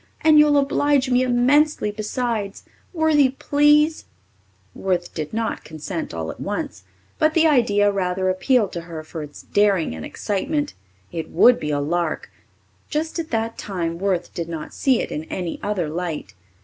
And you'll oblige me immensely besides. Worthie, please." Worth did not consent all at once; but the idea rather appealed to her for its daring and excitement. It would be a lark just at that time Worth did not see it in any other light.